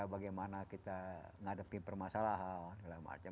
bagaimana kita menghadapi permasalahan dll